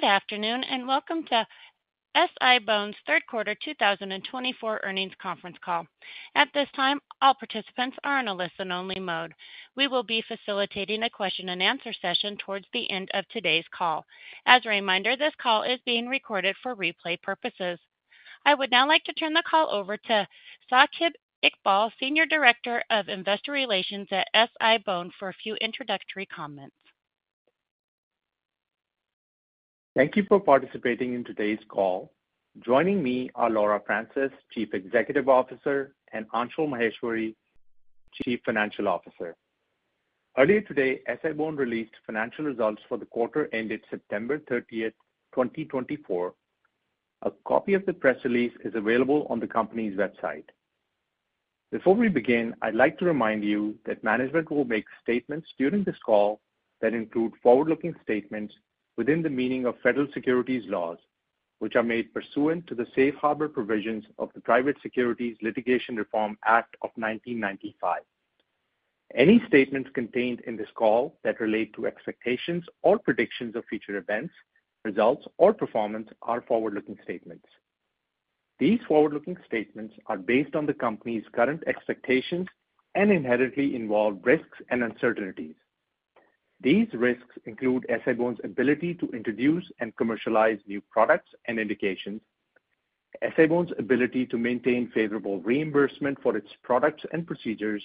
Good afternoon and welcome to SI-BONE's third quarter 2024 earnings conference call. At this time, all participants are in a listen-only mode. We will be facilitating a question-and-answer session towards the end of today's call. As a reminder, this call is being recorded for replay purposes. I would now like to turn the call over to Saqib Iqbal, Senior Director of Investor Relations at SI-BONE, for a few introductory comments. Thank you for participating in today's call. Joining me are Laura Francis, Chief Executive Officer, and Anshul Maheshwari, Chief Financial Officer. Earlier today, SI-BONE released financial results for the quarter ended September 30th, 2024. A copy of the press release is available on the company's website. Before we begin, I'd like to remind you that management will make statements during this call that include forward-looking statements within the meaning of federal securities laws, which are made pursuant to the safe harbor provisions of the Private Securities Litigation Reform Act of 1995. Any statements contained in this call that relate to expectations or predictions of future events, results, or performance are forward-looking statements. These forward-looking statements are based on the company's current expectations and inherently involved risks and uncertainties. These risks include SI-BONE's ability to introduce and commercialize new products and indications, SI-BONE's ability to maintain favorable reimbursement for its products and procedures,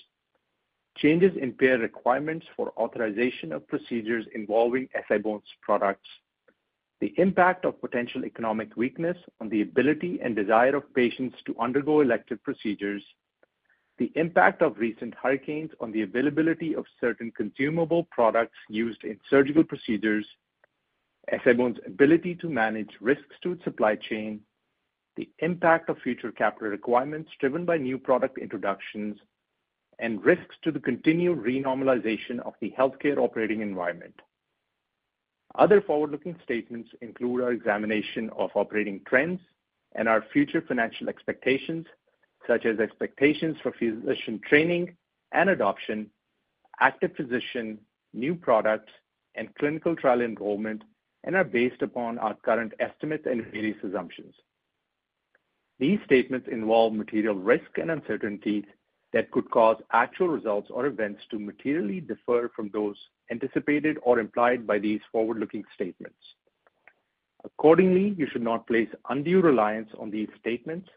changes in payer requirements for authorization of procedures involving SI-BONE's products, the impact of potential economic weakness on the ability and desire of patients to undergo elective procedures, the impact of recent hurricanes on the availability of certain consumable products used in surgical procedures, SI-BONE's ability to manage risks to its supply chain, the impact of future capital requirements driven by new product introductions, and risks to the continual renormalization of the healthcare operating environment. Other forward-looking statements include our examination of operating trends and our future financial expectations, such as expectations for physician training and adoption, active physician, new products, and clinical trial enrollment, and are based upon our current estimates and various assumptions. These statements involve material risk and uncertainties that could cause actual results or events to materially differ from those anticipated or implied by these forward-looking statements. Accordingly, you should not place undue reliance on these statements.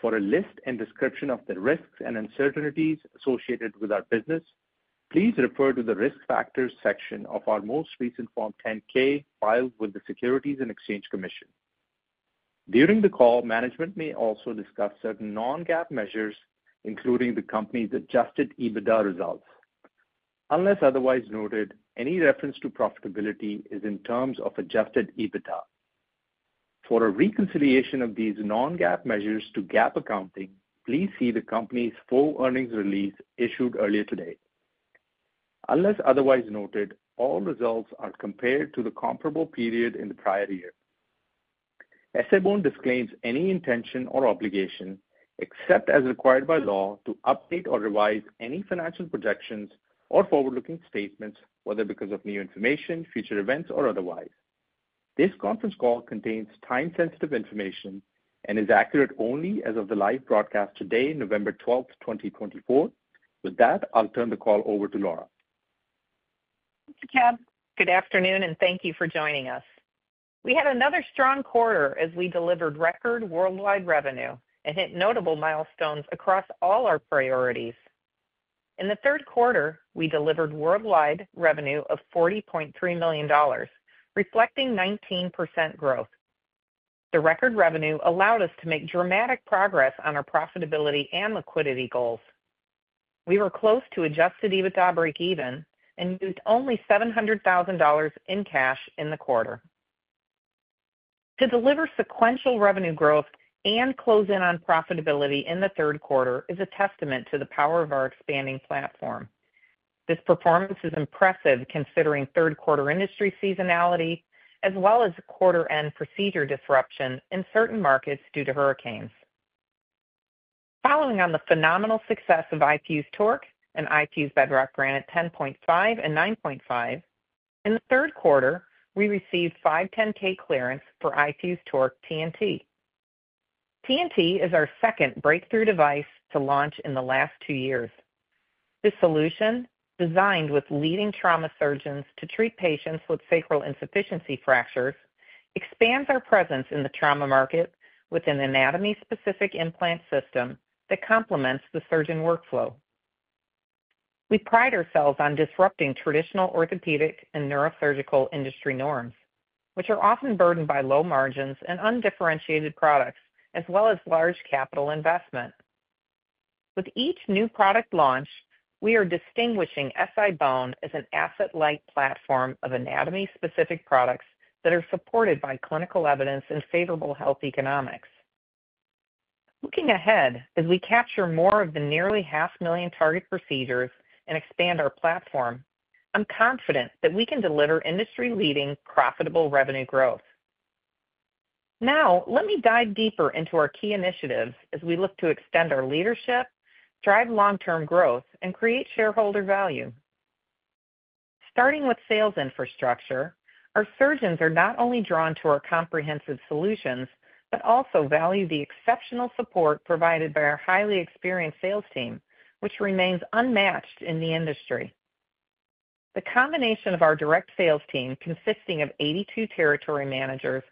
For a list and description of the risks and uncertainties associated with our business, please refer to the risk factors section of our most recent Form 10-K filed with the Securities and Exchange Commission. During the call, management may also discuss certain non-GAAP measures, including the company's adjusted EBITDA results. Unless otherwise noted, any reference to profitability is in terms of adjusted EBITDA. For a reconciliation of these non-GAAP measures to GAAP accounting, please see the company's full earnings release issued earlier today. Unless otherwise noted, all results are compared to the comparable period in the prior year. SI-BONE disclaims any intention or obligation, except as required by law, to update or revise any financial projections or forward-looking statements, whether because of new information, future events, or otherwise. This conference call contains time-sensitive information and is accurate only as of the live broadcast today, November 12th, 2024. With that, I'll turn the call over to Laura. Thank you, Saqib. Good afternoon, and thank you for joining us. We had another strong quarter as we delivered record worldwide revenue and hit notable milestones across all our priorities. In the third quarter, we delivered worldwide revenue of $40.3 million, reflecting 19% growth. The record revenue allowed us to make dramatic progress on our profitability and liquidity goals. We were close to adjusted EBITDA break-even and used only $700,000 in cash in the quarter. To deliver sequential revenue growth and close in on profitability in the third quarter is a testament to the power of our expanding platform. This performance is impressive, considering third-quarter industry seasonality as well as quarter-end procedure disruption in certain markets due to hurricanes. Following on the phenomenal success of iFuse TORQ and iFuse Bedrock Granite 10.5 and 9.5, in the third quarter, we received 510(k) clearance for iFuse TORQ TNT. TNT is our second breakthrough device to launch in the last two years. This solution, designed with leading trauma surgeons to treat patients with sacral insufficiency fractures, expands our presence in the trauma market with an anatomy-specific implant system that complements the surgeon workflow. We pride ourselves on disrupting traditional orthopedic and neurosurgical industry norms, which are often burdened by low margins and undifferentiated products, as well as large capital investment. With each new product launch, we are distinguishing SI-BONE as an asset-light platform of anatomy-specific products that are supported by clinical evidence and favorable health economics. Looking ahead as we capture more of the nearly 500,000 target procedures and expand our platform, I'm confident that we can deliver industry-leading profitable revenue growth. Now, let me dive deeper into our key initiatives as we look to extend our leadership, drive long-term growth, and create shareholder value. Starting with sales infrastructure, our surgeons are not only drawn to our comprehensive solutions but also value the exceptional support provided by our highly experienced sales team, which remains unmatched in the industry. The combination of our direct sales team, consisting of 82 territory managers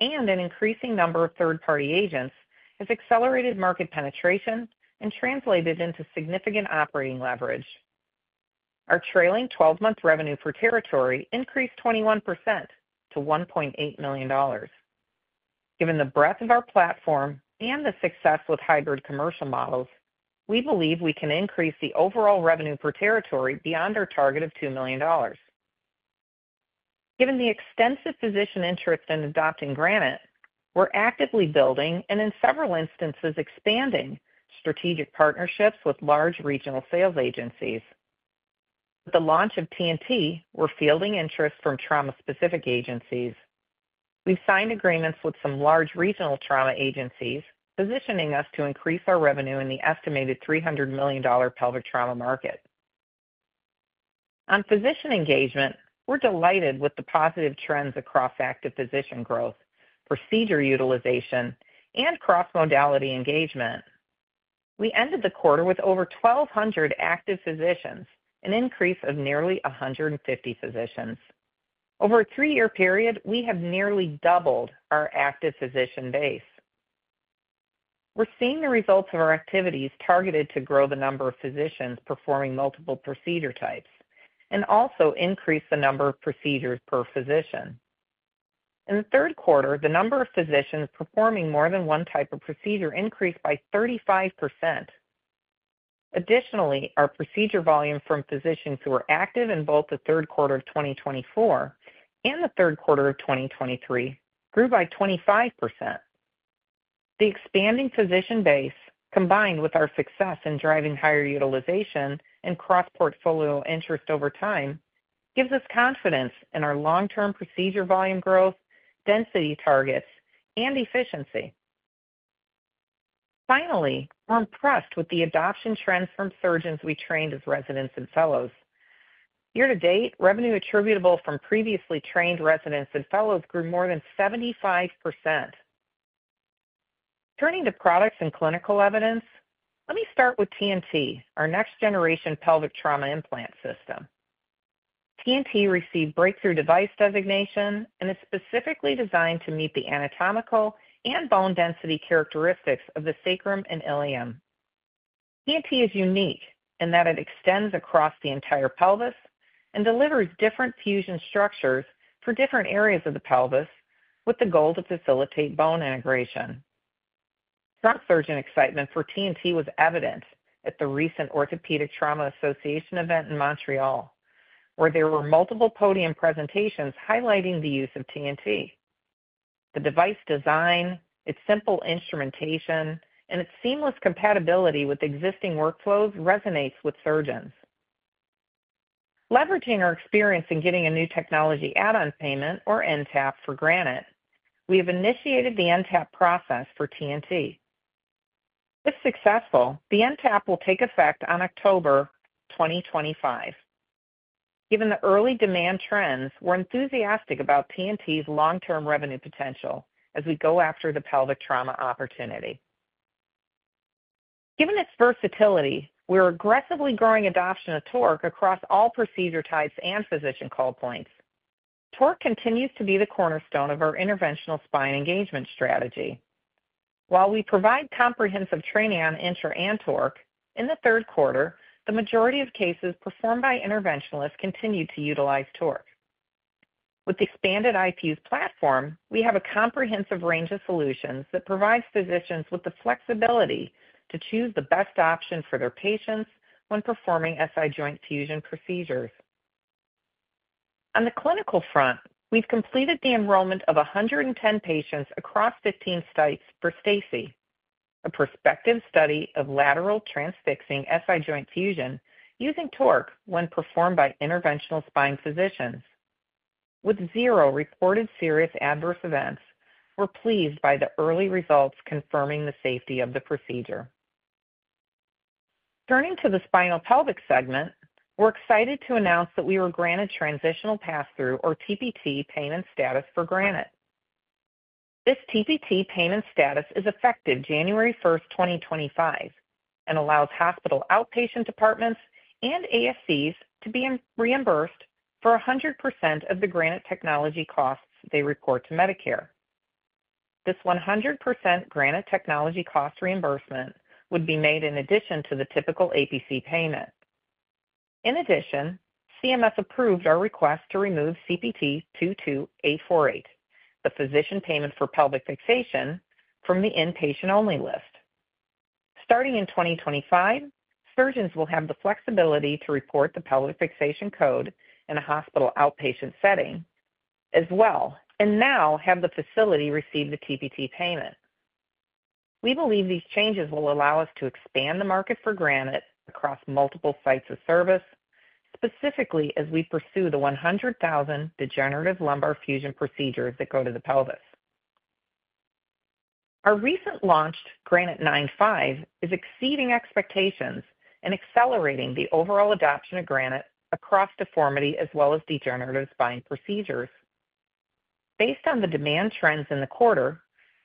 and an increasing number of third-party agents, has accelerated market penetration and translated into significant operating leverage. Our trailing 12-month revenue per territory increased 21% to $1.8 million. Given the breadth of our platform and the success with hybrid commercial models, we believe we can increase the overall revenue per territory beyond our target of $2 million. Given the extensive physician interest in adopting Granite, we're actively building and, in several instances, expanding strategic partnerships with large regional sales agencies. With the launch of TNT, we're fielding interest from trauma-specific agencies. We've signed agreements with some large regional trauma agencies, positioning us to increase our revenue in the estimated $300 million pelvic trauma market. On physician engagement, we're delighted with the positive trends across active physician growth, procedure utilization, and cross-modality engagement. We ended the quarter with over 1,200 active physicians, an increase of nearly 150 physicians. Over a three-year period, we have nearly doubled our active physician base. We're seeing the results of our activities targeted to grow the number of physicians performing multiple procedure types and also increase the number of procedures per physician. In the third quarter, the number of physicians performing more than one type of procedure increased by 35%. Additionally, our procedure volume from physicians who were active in both the third quarter of 2024 and the third quarter of 2023 grew by 25%. The expanding physician base, combined with our success in driving higher utilization and cross-portfolio interest over time, gives us confidence in our long-term procedure volume growth, density targets, and efficiency. Finally, we're impressed with the adoption trends from surgeons we trained as residents and fellows. Year-to-date, revenue attributable from previously trained residents and fellows grew more than 75%. Turning to products and clinical evidence, let me start with TNT, our next-generation pelvic trauma implant system. TNT received Breakthrough Device designation and is specifically designed to meet the anatomical and bone density characteristics of the sacrum and ilium. TNT is unique in that it extends across the entire pelvis and delivers different fusion structures for different areas of the pelvis with the goal to facilitate bone integration. Trauma surgeon excitement for TNT was evident at the recent Orthopaedic Trauma Association event in Montreal, where there were multiple podium presentations highlighting the use of TNT. The device design, its simple instrumentation, and its seamless compatibility with existing workflows resonates with surgeons. Leveraging our experience in getting a new technology add-on payment, or NTAP, for Granite, we have initiated the NTAP process for TNT. If successful, the NTAP will take effect on October 2025. Given the early demand trends, we're enthusiastic about TNT's long-term revenue potential as we go after the pelvic trauma opportunity. Given its versatility, we're aggressively growing adoption of TORQ across all procedure types and physician call points. TORQ continues to be the cornerstone of our interventional spine engagement strategy. While we provide comprehensive training on INTRA and TORQ, in the third quarter, the majority of cases performed by interventionalists continued to utilize TORQ. With the expanded iFuse platform, we have a comprehensive range of solutions that provides physicians with the flexibility to choose the best option for their patients when performing SI joint fusion procedures. On the clinical front, we've completed the enrollment of 110 patients across 15 sites for STACI, a prospective study of lateral transfixing SI joint fusion using TORQ when performed by interventional spine physicians. With zero reported serious adverse events, we're pleased by the early results confirming the safety of the procedure. Turning to the spinopelvic segment, we're excited to announce that we were granted transitional pass-through, or TPT, payment status for Granite. This TPT payment status is effective January 1st, 2025, and allows hospital outpatient departments and ASCs to be reimbursed for 100% of the Granite technology costs they report to Medicare. This 100% Granite technology cost reimbursement would be made in addition to the typical APC payment. In addition, CMS approved our request to remove CPT 22848, the physician payment for pelvic fixation, from the inpatient-only list. Starting in 2025, surgeons will have the flexibility to report the pelvic fixation code in a hospital outpatient setting as well and now have the facility receive the TPT payment. We believe these changes will allow us to expand the market for Granite across multiple sites of service, specifically as we pursue the 100,000 degenerative lumbar fusion procedures that go to the pelvis. Our recently launched Granite 9.5 is exceeding expectations and accelerating the overall adoption of Granite across deformity as well as degenerative spine procedures. Based on the demand trends in the quarter,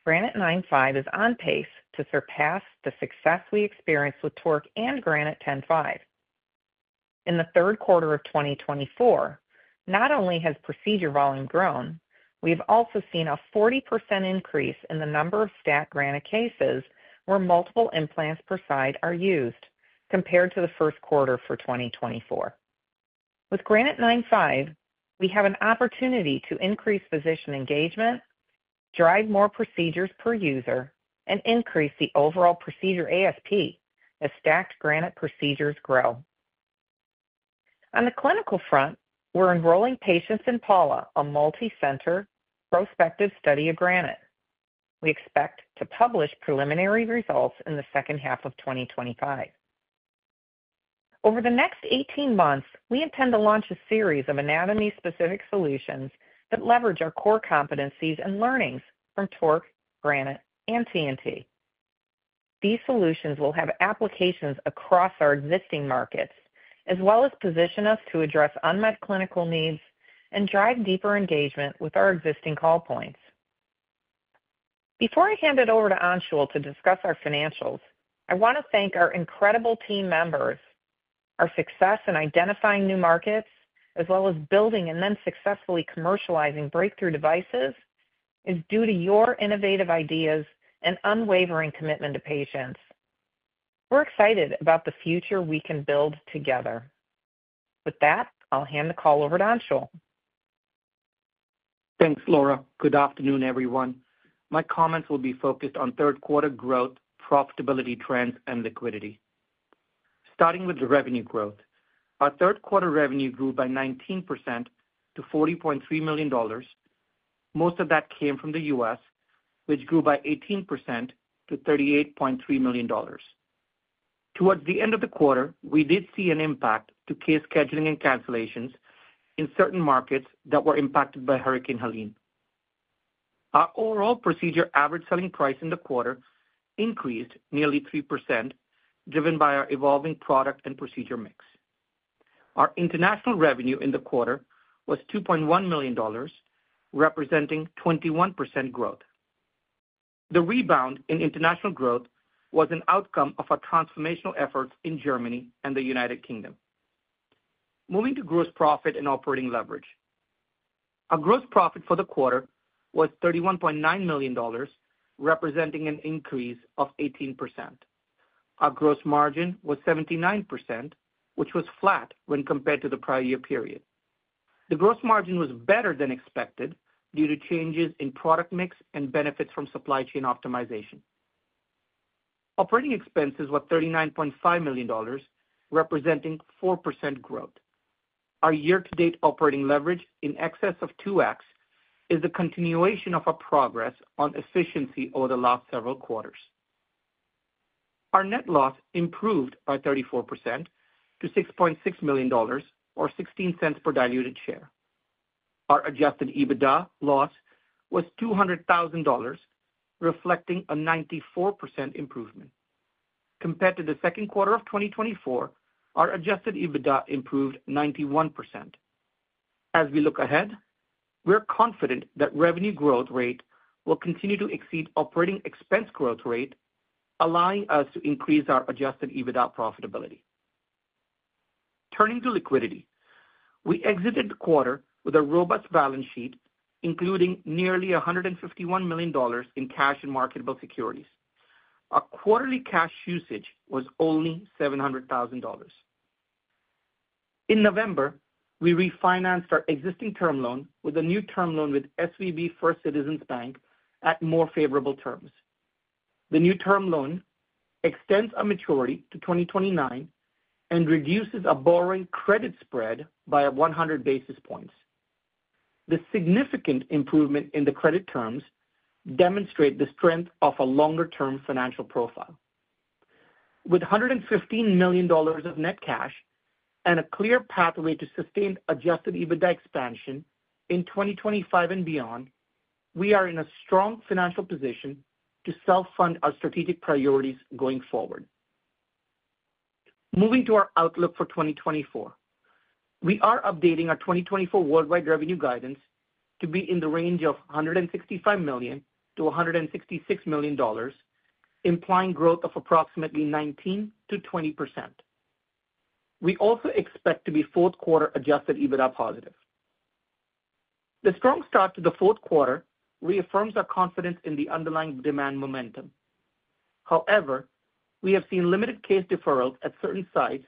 Granite 9.5 is on pace to surpass the success we experienced with TORQ and Granite 10.5. In the third quarter of 2024, not only has procedure volume grown, we have also seen a 40% increase in the number of stacked Granite cases where multiple implants per side are used, compared to the first quarter for 2024. With Granite 9.5, we have an opportunity to increase physician engagement, drive more procedures per user, and increase the overall procedure ASP as stacked Granite procedures grow. On the clinical front, we're enrolling patients in PALA, a multi-center prospective study of Granite. We expect to publish preliminary results in the second half of 2025. Over the next 18 months, we intend to launch a series of anatomy-specific solutions that leverage our core competencies and learnings from TORQ, Granite, and TNT. These solutions will have applications across our existing markets, as well as position us to address unmet clinical needs and drive deeper engagement with our existing call points. Before I hand it over to Anshul to discuss our financials, I want to thank our incredible team members. Our success in identifying new markets, as well as building and then successfully commercializing breakthrough devices, is due to your innovative ideas and unwavering commitment to patients. We're excited about the future we can build together. With that, I'll hand the call over to Anshul. Thanks, Laura. Good afternoon, everyone. My comments will be focused on third-quarter growth, profitability trends, and liquidity. Starting with the revenue growth, our third-quarter revenue grew by 19% to $40.3 million. Most of that came from the U.S., which grew by 18% to $38.3 million. Towards the end of the quarter, we did see an impact to case scheduling and cancellations in certain markets that were impacted by Hurricane Helene. Our overall procedure average selling price in the quarter increased nearly 3%, driven by our evolving product and procedure mix. Our international revenue in the quarter was $2.1 million, representing 21% growth. The rebound in international growth was an outcome of our transformational efforts in Germany and the United Kingdom. Moving to gross profit and operating leverage. Our gross profit for the quarter was $31.9 million, representing an increase of 18%. Our gross margin was 79%, which was flat when compared to the prior year period. The gross margin was better than expected due to changes in product mix and benefits from supply chain optimization. Operating expenses were $39.5 million, representing 4% growth. Our year-to-date operating leverage in excess of 2x is the continuation of our progress on efficiency over the last several quarters. Our net loss improved by 34% to $6.6 million, or $0.16 per diluted share. Our adjusted EBITDA loss was $200,000, reflecting a 94% improvement. Compared to the second quarter of 2024, our adjusted EBITDA improved 91%. As we look ahead, we're confident that revenue growth rate will continue to exceed operating expense growth rate, allowing us to increase our adjusted EBITDA profitability. Turning to liquidity, we exited the quarter with a robust balance sheet, including nearly $151 million in cash and marketable securities. Our quarterly cash usage was only $700,000. In November, we refinanced our existing term loan with a new term loan with First Citizens Bank at more favorable terms. The new term loan extends our maturity to 2029 and reduces our borrowing credit spread by 100 basis points. The significant improvement in the credit terms demonstrates the strength of a longer-term financial profile. With $115 million of net cash and a clear pathway to sustained Adjusted EBITDA expansion in 2025 and beyond, we are in a strong financial position to self-fund our strategic priorities going forward. Moving to our outlook for 2024, we are updating our 2024 worldwide revenue guidance to be in the range of $165 million-$166 million, implying growth of approximately 19%-20%. We also expect to be fourth-quarter Adjusted EBITDA positive. The strong start to the fourth quarter reaffirms our confidence in the underlying demand momentum. However, we have seen limited case deferrals at certain sites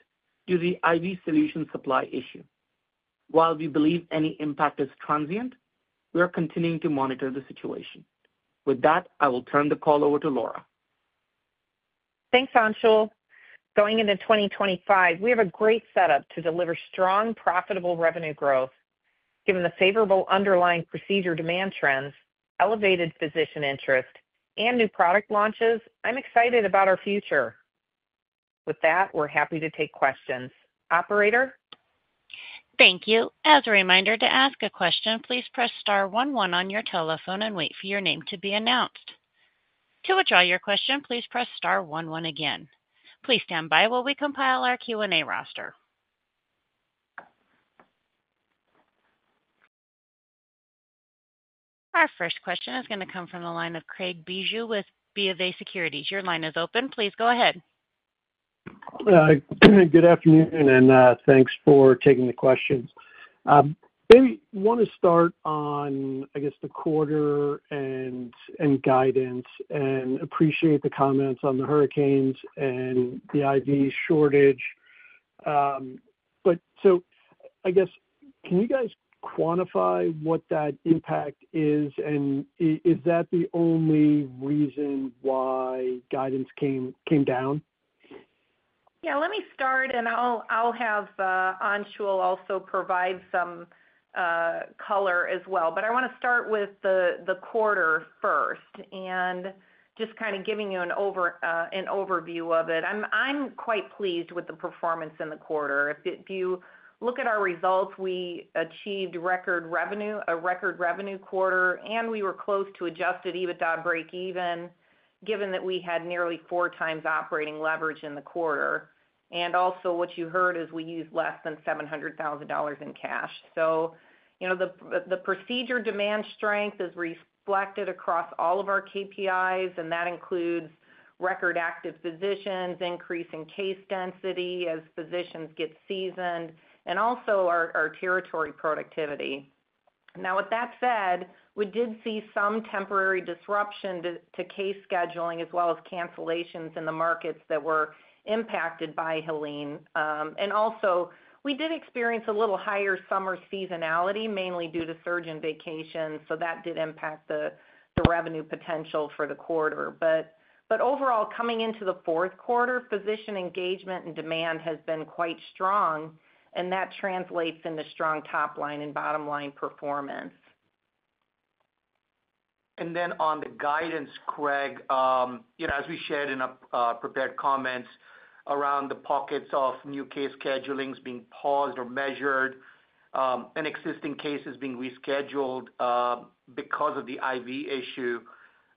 due to the IV solution supply issue. While we believe any impact is transient, we are continuing to monitor the situation. With that, I will turn the call over to Laura. Thanks, Anshul. Going into 2025, we have a great setup to deliver strong, profitable revenue growth. Given the favorable underlying procedure demand trends, elevated physician interest, and new product launches, I'm excited about our future. With that, we're happy to take questions. Operator? Thank you. As a reminder, to ask a question, please press star one one on your telephone and wait for your name to be announced. To withdraw your question, please press star one one again. Please stand by while we compile our Q&A roster. Our first question is going to come from the line of Craig Bijou with BofA Securities. Your line is open. Please go ahead. Good afternoon, and thanks for taking the questions. Maybe want to start on, I guess, the quarter and guidance, and appreciate the comments on the hurricanes and the IV shortage. But so, I guess, can you guys quantify what that impact is, and is that the only reason why guidance came down? Yeah, let me start, and I'll have Anshul also provide some color as well. But I want to start with the quarter first and just kind of giving you an overview of it. I'm quite pleased with the performance in the quarter. If you look at our results, we achieved record revenue, a record revenue quarter, and we were close to Adjusted EBITDA break-even, given that we had nearly four times operating leverage in the quarter. And also, what you heard is we used less than $700,000 in cash. So the procedure demand strength is reflected across all of our KPIs, and that includes record active physicians, increasing case density as physicians get seasoned, and also our territory productivity. Now, with that said, we did see some temporary disruption to case scheduling as well as cancellations in the markets that were impacted by Helene. Also, we did experience a little higher summer seasonality, mainly due to surge in vacations, so that did impact the revenue potential for the quarter. Overall, coming into the fourth quarter, physician engagement and demand has been quite strong, and that translates into strong top-line and bottom-line performance. And then on the guidance, Craig, as we shared in our prepared comments around the pockets of new case schedulings being paused or measured, and existing cases being rescheduled because of the IV issue.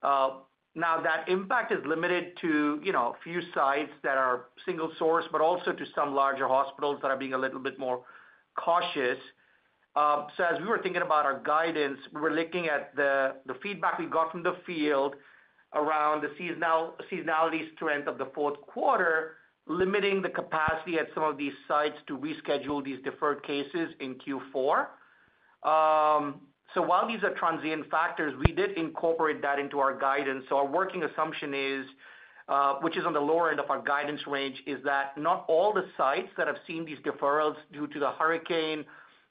Now, that impact is limited to a few sites that are single source, but also to some larger hospitals that are being a little bit more cautious. So as we were thinking about our guidance, we were looking at the feedback we got from the field around the seasonality strength of the fourth quarter, limiting the capacity at some of these sites to reschedule these deferred cases in Q4. So while these are transient factors, we did incorporate that into our guidance. Our working assumption, which is on the lower end of our guidance range, is that not all the sites that have seen these deferrals due to the hurricane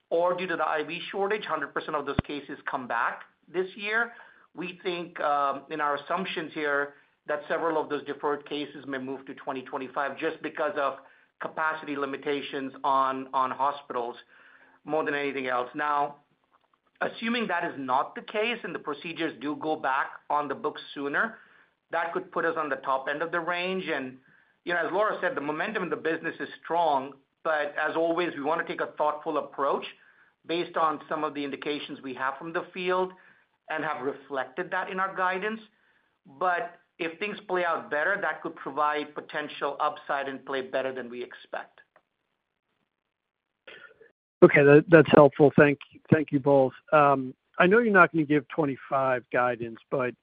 or due to the IV shortage, 100% of those cases come back this year. We think in our assumptions here that several of those deferred cases may move to 2025 just because of capacity limitations on hospitals more than anything else. Now, assuming that is not the case and the procedures do go back on the books sooner, that could put us on the top end of the range. And as Laura said, the momentum in the business is strong, but as always, we want to take a thoughtful approach based on some of the indications we have from the field and have reflected that in our guidance. But if things play out better, that could provide potential upside and play better than we expect. Okay, that's helpful. Thank you both. I know you're not going to give 2025 guidance, but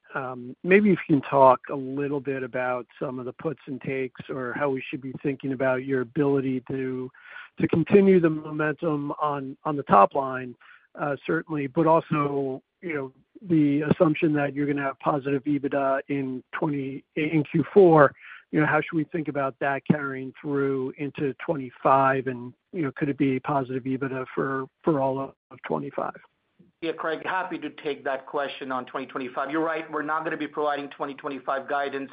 maybe if you can talk a little bit about some of the puts and takes or how we should be thinking about your ability to continue the momentum on the top line, certainly, but also the assumption that you're going to have positive EBITDA in Q4, how should we think about that carrying through into 2025, and could it be positive EBITDA for all of 2025? Yeah, Craig, happy to take that question on 2025. You're right. We're not going to be providing 2025 guidance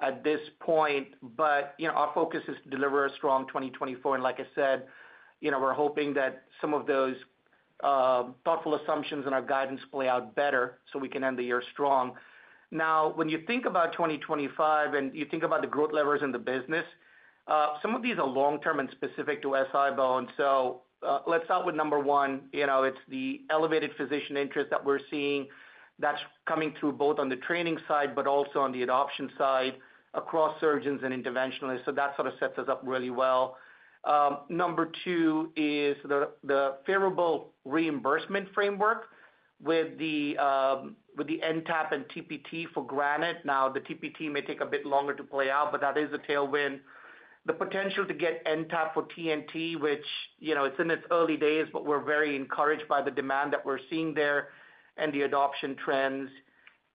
at this point, but our focus is to deliver a strong 2024. And like I said, we're hoping that some of those thoughtful assumptions in our guidance play out better so we can end the year strong. Now, when you think about 2025 and you think about the growth levers in the business, some of these are long-term and specific to SI-BONE. So let's start with number one. It's the elevated physician interest that we're seeing that's coming through both on the training side, but also on the adoption side across surgeons and interventionalists. So that sort of sets us up really well. Number two is the favorable reimbursement framework with the NTAP and TPT for Granite. Now, the TPT may take a bit longer to play out, but that is a tailwind. The potential to get NTAP for TNT, which is in its early days, but we're very encouraged by the demand that we're seeing there and the adoption trends.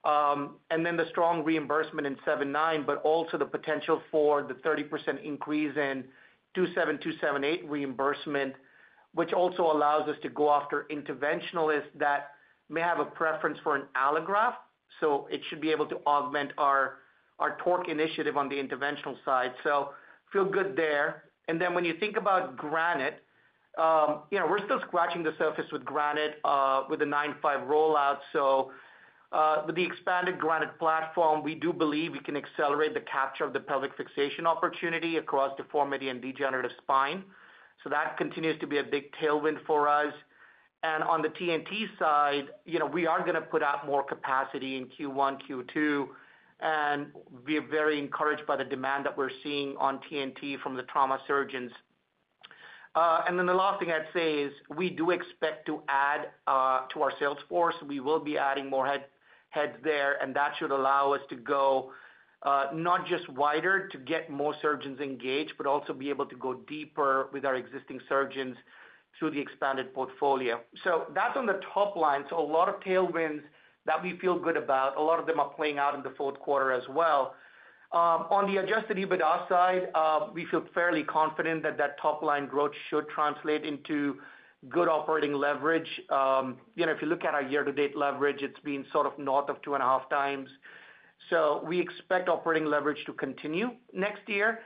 And then the strong reimbursement in 27279, but also the potential for the 30% increase in 27278 reimbursement, which also allows us to go after interventionalists that may have a preference for an allograft. So it should be able to augment our TORQ initiative on the interventional side. So feel good there. And then when you think about Granite, we're still scratching the surface with Granite with the 9.5 rollout. So with the expanded Granite platform, we do believe we can accelerate the capture of the pelvic fixation opportunity across deformity and degenerative spine. So that continues to be a big tailwind for us. And on the TNT side, we are going to put out more capacity in Q1, Q2, and we are very encouraged by the demand that we're seeing on TNT from the trauma surgeons. And then the last thing I'd say is we do expect to add to our sales force. We will be adding more heads there, and that should allow us to go not just wider to get more surgeons engaged, but also be able to go deeper with our existing surgeons through the expanded portfolio. So that's on the top line. So a lot of tailwinds that we feel good about, a lot of them are playing out in the fourth quarter as well. On the Adjusted EBITDA side, we feel fairly confident that that top-line growth should translate into good operating leverage. If you look at our year-to-date leverage, it's been sort of north of two and a half times. So we expect operating leverage to continue next year.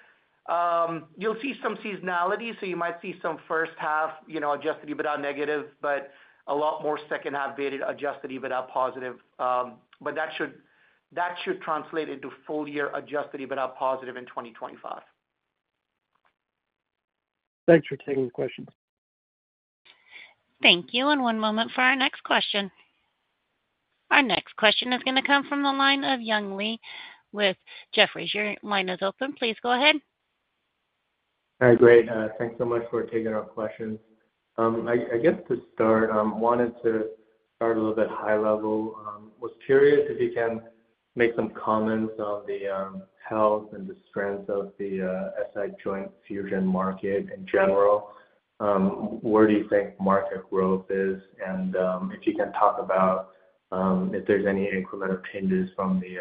You'll see some seasonality, so you might see some first half Adjusted EBITDA negative, but a lot more second half Adjusted EBITDA positive. But that should translate into full-year Adjusted EBITDA positive in 2025. Thanks for taking the questions. Thank you. And one moment for our next question. Our next question is going to come from the line of Young Li with Jefferies. If your line is open, please go ahead. All right, great. Thanks so much for taking our questions. I guess to start, I wanted to start a little bit high level. I was curious if you can make some comments on the health and the strength of the SI joint fusion market in general. Where do you think market growth is? And if you can talk about if there's any incremental changes from the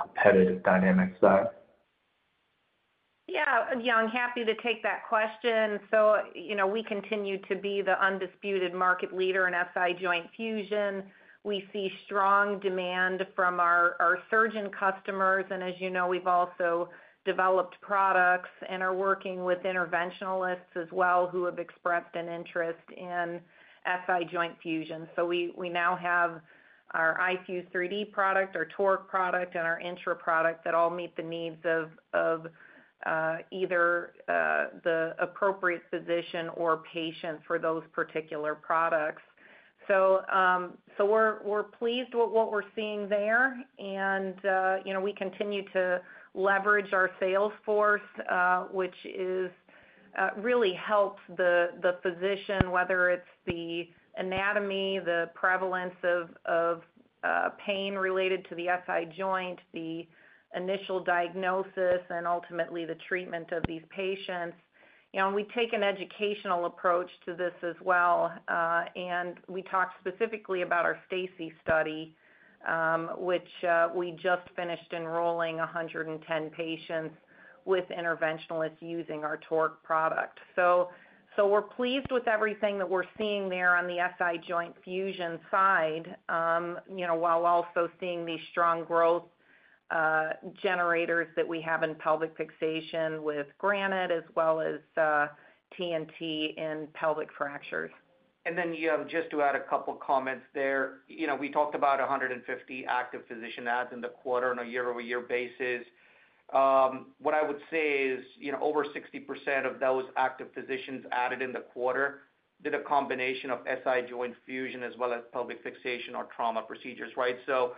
competitive dynamic side. Yeah, Youngie, happy to take that question. So we continue to be the undisputed market leader in SI joint fusion. We see strong demand from our surgeon customers. And as you know, we've also developed products and are working with interventionalists as well who have expressed an interest in SI joint fusion. So we now have our iFuse-3D product, our TORQ product, and our INTRA product that all meet the needs of either the appropriate physician or patient for those particular products. So we're pleased with what we're seeing there. And we continue to leverage our sales force, which really helps the physician, whether it's the anatomy, the prevalence of pain related to the SI joint, the initial diagnosis, and ultimately the treatment of these patients. We take an educational approach to this as well. We talked specifically about our STACI study, which we just finished enrolling 110 patients with interventionalists using our TORQ product. We're pleased with everything that we're seeing there on the SI joint fusion side while also seeing these strong growth generators that we have in pelvic fixation with Granite as well as TNT in pelvic fractures. And then just to add a couple of comments there, we talked about 150 active physicians added in the quarter on a year-over-year basis. What I would say is over 60% of those active physicians added in the quarter did a combination of SI joint fusion as well as pelvic fixation or trauma procedures, right? So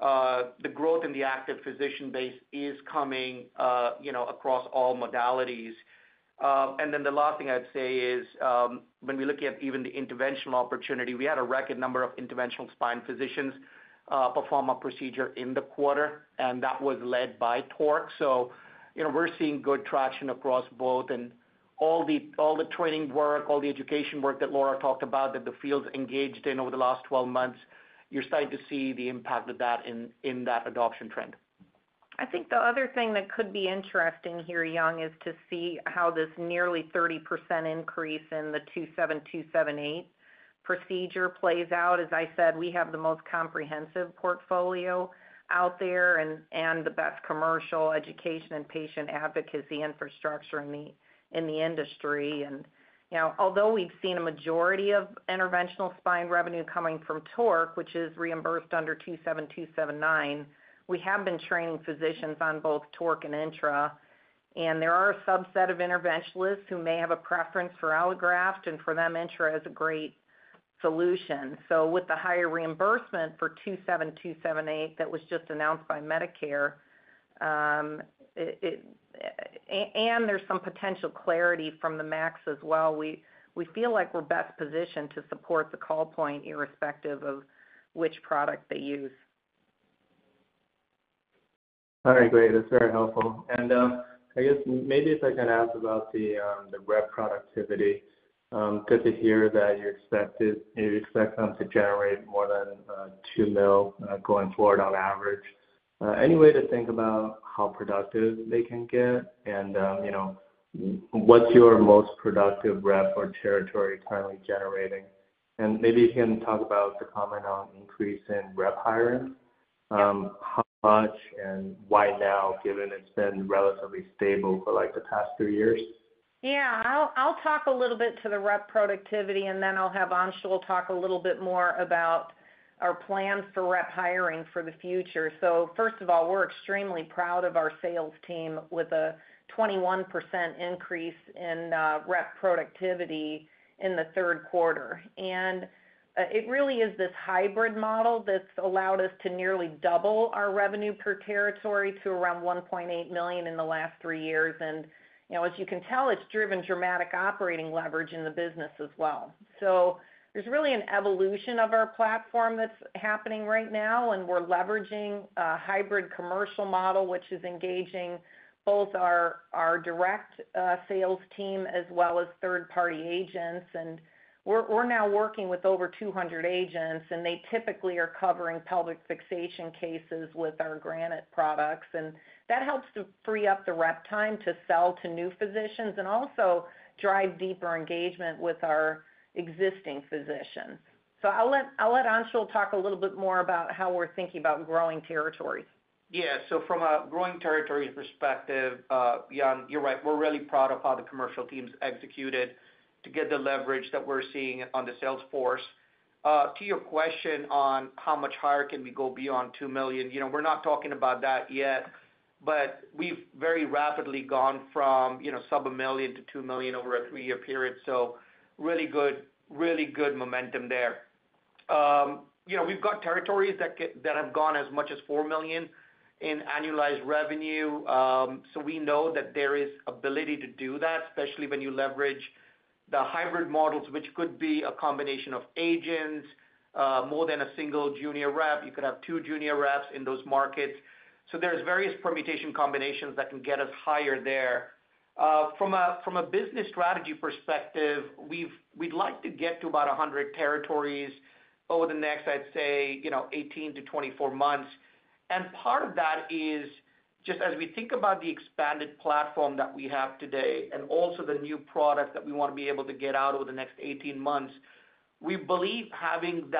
the growth in the active physician base is coming across all modalities. And then the last thing I'd say is when we look at even the interventional opportunity, we had a record number of interventional spine physicians perform a procedure in the quarter, and that was led by TORQ. So we're seeing good traction across both. And all the training work, all the education work that Laura talked about that the field's engaged in over the last 12 months, you're starting to see the impact of that in that adoption trend. I think the other thing that could be interesting here, Young, is to see how this nearly 30% increase in the 27278 procedure plays out. As I said, we have the most comprehensive portfolio out there and the best commercial education and patient advocacy infrastructure in the industry. And although we've seen a majority of interventional spine revenue coming from TORQ, which is reimbursed under 27279, we have been training physicians on both TORQ and INTRA. And there are a subset of interventionalists who may have a preference for allograft, and for them, INTRA is a great solution. So with the higher reimbursement for 27278 that was just announced by Medicare, and there's some potential clarity from the MACs as well, we feel like we're best positioned to support the call point irrespective of which product they use. All right, great. That's very helpful. And I guess maybe if I can ask about the rep productivity. Good to hear that you expect them to generate more than $2 million going forward on average. Any way to think about how productive they can get? And what's your most productive rep or territory currently generating? And maybe you can talk about the comment on increase in rep hiring. How much and why now, given it's been relatively stable for the past three years? Yeah, I'll talk a little bit to the rep productivity, and then I'll have Anshul talk a little bit more about our plans for rep hiring for the future. So first of all, we're extremely proud of our sales team with a 21% increase in rep productivity in the third quarter. And it really is this hybrid model that's allowed us to nearly double our revenue per territory to around $1.8 million in the last three years. And as you can tell, it's driven dramatic operating leverage in the business as well. So there's really an evolution of our platform that's happening right now, and we're leveraging a hybrid commercial model, which is engaging both our direct sales team as well as third-party agents. And we're now working with over 200 agents, and they typically are covering pelvic fixation cases with our Granite products. And that helps to free up the rep time to sell to new physicians and also drive deeper engagement with our existing physicians. So I'll let Anshul talk a little bit more about how we're thinking about growing territories. Yeah, so from a growing territory perspective, Young, you're right. We're really proud of how the commercial teams executed to get the leverage that we're seeing on the sales force. To your question on how much higher can we go beyond $2 million, we're not talking about that yet, but we've very rapidly gone from sub-$1 million to $2 million over a three-year period. So really good momentum there. We've got territories that have gone as much as $4 million in annualized revenue. So we know that there is ability to do that, especially when you leverage the hybrid models, which could be a combination of agents, more than a single junior rep. You could have two junior reps in those markets. So there's various permutation combinations that can get us higher there. From a business strategy perspective, we'd like to get to about 100 territories over the next, I'd say, 18-24 months. And part of that is just as we think about the expanded platform that we have today and also the new product that we want to be able to get out over the next 18 months, we believe having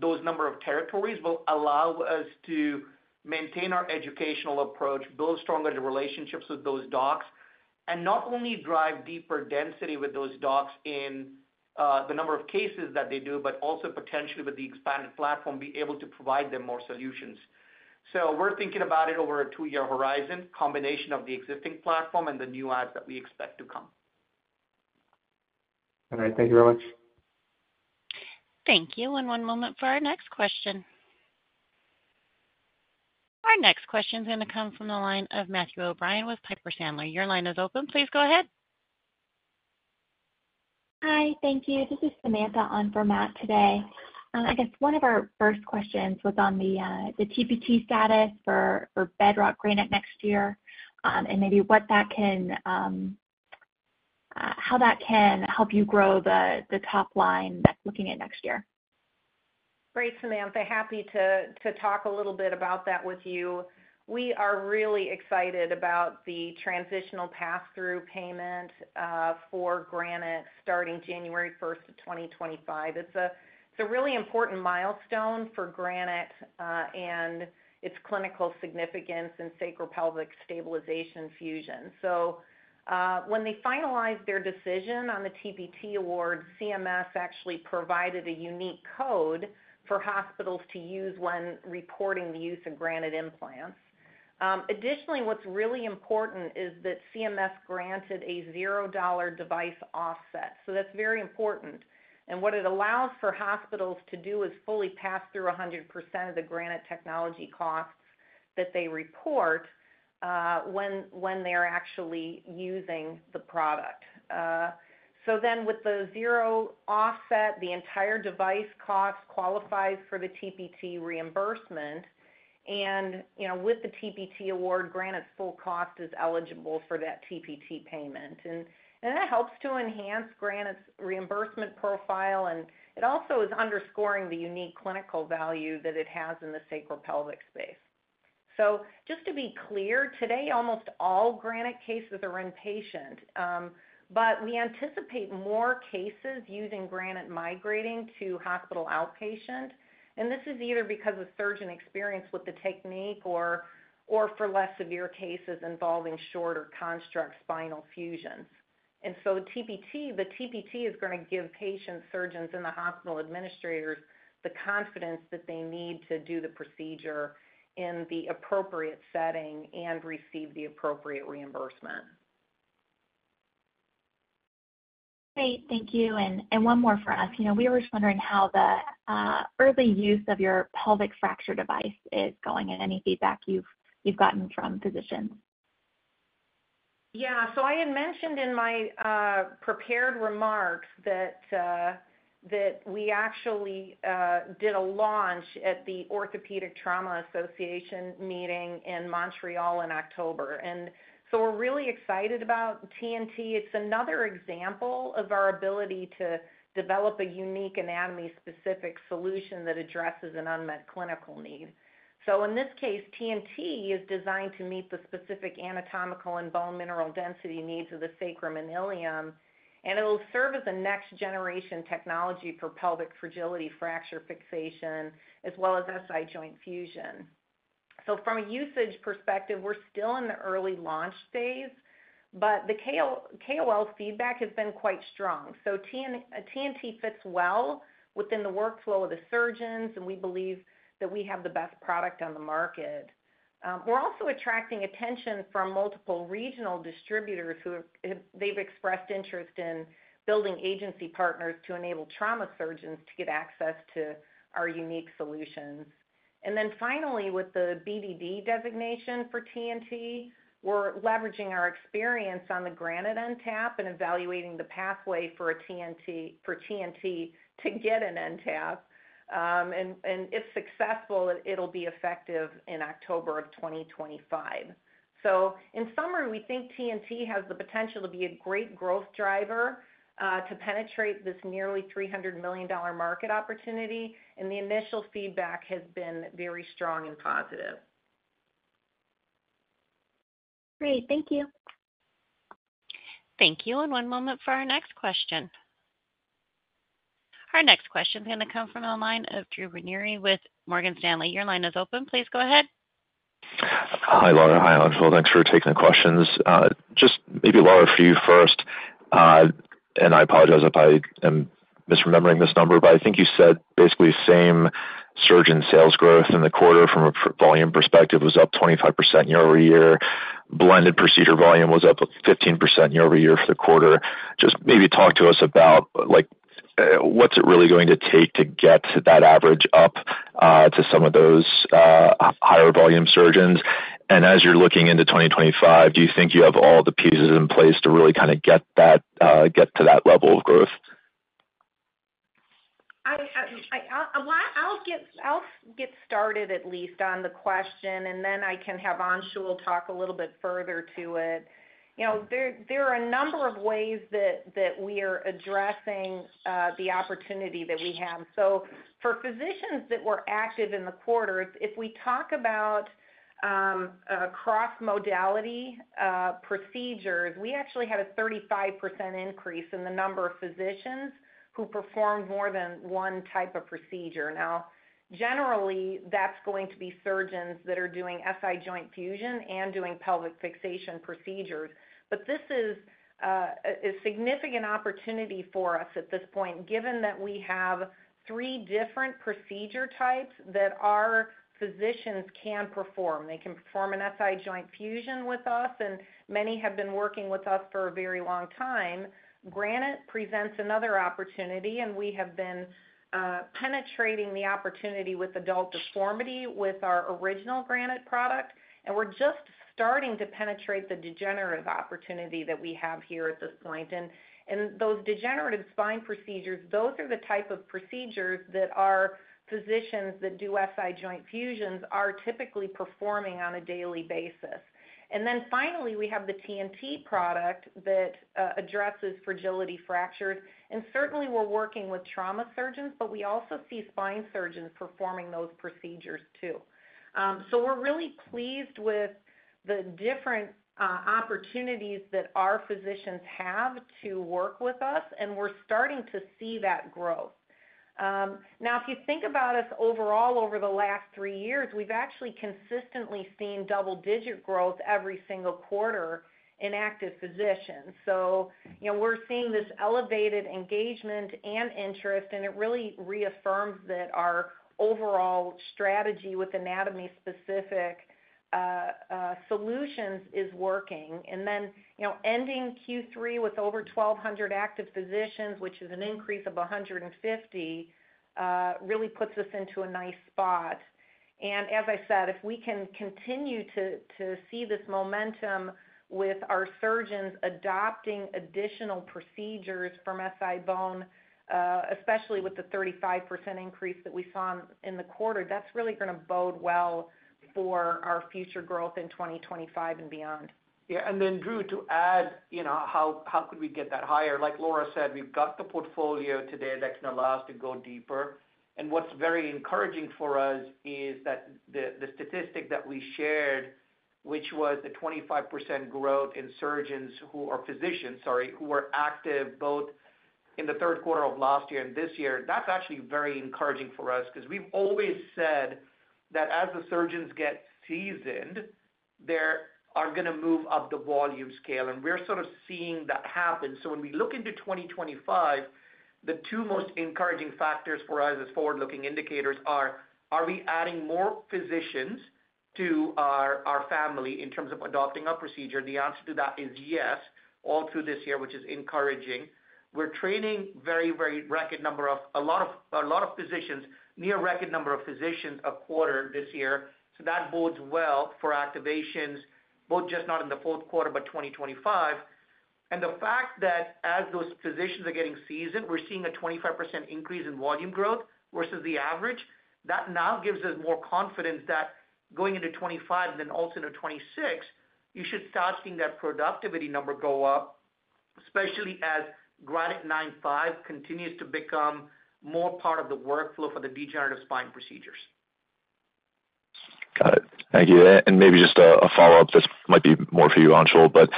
those number of territories will allow us to maintain our educational approach, build stronger relationships with those docs, and not only drive deeper density with those docs in the number of cases that they do, but also potentially with the expanded platform, be able to provide them more solutions. So we're thinking about it over a two-year horizon, combination of the existing platform and the new adds that we expect to come. All right. Thank you very much. Thank you. And one moment for our next question. Our next question is going to come from the line of Matthew O'Brien with Piper Sandler. Your line is open. Please go ahead. Hi, thank you. This is Samantha on for Matt today. I guess one of our first questions was on the TPT status for Bedrock Granite next year and maybe how that can help you grow the top line that's looking at next year. Great, Samantha. Happy to talk a little bit about that with you. We are really excited about the transitional pass-through payment for Granite starting January 1st of 2025. It's a really important milestone for Granite and its clinical significance in sacropelvic stabilization fusion. So when they finalized their decision on the TPT award, CMS actually provided a unique code for hospitals to use when reporting the use of Granite implants. Additionally, what's really important is that CMS granted a $0 device offset. So that's very important. And what it allows for hospitals to do is fully pass through 100% of the Granite technology costs that they report when they're actually using the product. So then with the zero offset, the entire device cost qualifies for the TPT reimbursement. And with the TPT award, Granite's full cost is eligible for that TPT payment. That helps to enhance Granite's reimbursement profile, and it also is underscoring the unique clinical value that it has in the sacropelvic space. Just to be clear, today, almost all Granite cases are inpatient, but we anticipate more cases using Granite migrating to hospital outpatient. This is either because of surgeon experience with the technique or for less severe cases involving shorter construct spinal fusions. The TPT is going to give patients, surgeons, and the hospital administrators the confidence that they need to do the procedure in the appropriate setting and receive the appropriate reimbursement. Great. Thank you. And one more for us. We were just wondering how the early use of your pelvic fracture device is going and any feedback you've gotten from physicians? Yeah. So I had mentioned in my prepared remarks that we actually did a launch at the Orthopaedic Trauma Association meeting in Montreal in October. And so we're really excited about TNT. It's another example of our ability to develop a unique anatomy-specific solution that addresses an unmet clinical need. So in this case, TNT is designed to meet the specific anatomical and bone mineral density needs of the sacrum and ilium, and it'll serve as a next-generation technology for pelvic fragility fracture fixation as well as SI joint fusion. So from a usage perspective, we're still in the early launch phase, but the KOL feedback has been quite strong. So TNT fits well within the workflow of the surgeons, and we believe that we have the best product on the market. We're also attracting attention from multiple regional distributors who have expressed interest in building agency partners to enable trauma surgeons to get access to our unique solutions, and then finally, with the BDD designation for TNT, we're leveraging our experience on the Granite NTAP and evaluating the pathway for TNT to get an NTAP, and if successful, it'll be effective in October of 2025, so in summary, we think TNT has the potential to be a great growth driver to penetrate this nearly $300 million market opportunity, and the initial feedback has been very strong and positive. Great. Thank you. Thank you, and one moment for our next question. Our next question is going to come from the line of Drew Ranieri with Morgan Stanley. Your line is open. Please go ahead. Hi, Laura. Hi, Anshul. Thanks for taking the questions. Just maybe, Laura, for you first, and I apologize if I am misremembering this number, but I think you said basically same surgeon sales growth in the quarter from a volume perspective was up 25% year-over-year. Blended procedure volume was up 15% year-over-year for the quarter. Just maybe talk to us about what's it really going to take to get that average up to some of those higher volume surgeons, and as you're looking into 2025, do you think you have all the pieces in place to really kind of get to that level of growth? I'll get started at least on the question, and then I can have Anshul talk a little bit further to it. There are a number of ways that we are addressing the opportunity that we have. So for physicians that were active in the quarter, if we talk about cross-modality procedures, we actually had a 35% increase in the number of physicians who performed more than one type of procedure. Now, generally, that's going to be surgeons that are doing SI joint fusion and doing pelvic fixation procedures. But this is a significant opportunity for us at this point, given that we have three different procedure types that our physicians can perform. They can perform an SI joint fusion with us, and many have been working with us for a very long time. Granite presents another opportunity, and we have been penetrating the opportunity with adult deformity with our original Granite product, and we're just starting to penetrate the degenerative opportunity that we have here at this point, and those degenerative spine procedures, those are the type of procedures that our physicians that do SI joint fusions are typically performing on a daily basis, and then finally, we have the TNT product that addresses fragility fractures, and certainly, we're working with trauma surgeons, but we also see spine surgeons performing those procedures too, so we're really pleased with the different opportunities that our physicians have to work with us, and we're starting to see that growth. Now, if you think about us overall over the last three years, we've actually consistently seen double-digit growth every single quarter in active physicians. We're seeing this elevated engagement and interest, and it really reaffirms that our overall strategy with anatomy-specific solutions is working. Then ending Q3 with over 1,200 active physicians, which is an increase of 150, really puts us into a nice spot. As I said, if we can continue to see this momentum with our surgeons adopting additional procedures from SI-BONE, especially with the 35% increase that we saw in the quarter, that's really going to bode well for our future growth in 2025 and beyond. Yeah. And then, Drew, to add, how could we get that higher? Like Laura said, we've got the portfolio today that can allow us to go deeper. And what's very encouraging for us is that the statistic that we shared, which was the 25% growth in surgeons who are physicians, sorry, who were active both in the third quarter of last year and this year. That's actually very encouraging for us because we've always said that as the surgeons get seasoned, they are going to move up the volume scale. And we're sort of seeing that happen. So when we look into 2025, the two most encouraging factors for us as forward-looking indicators are, are we adding more physicians to our family in terms of adopting a procedure? The answer to that is yes all through this year, which is encouraging. We're training a very record number of a lot of physicians, near record number of physicians a quarter this year. So that bodes well for activations, but just not in the fourth quarter, but 2025. And the fact that as those physicians are getting seasoned, we're seeing a 25% increase in volume growth versus the average, that now gives us more confidence that going into 2025 and then also into 2026, you should start seeing that productivity number go up, especially as Granite 9.5 continues to become more part of the workflow for the degenerative spine procedures. Got it. Thank you. And maybe just a follow-up. This might be more for you, Anshul, but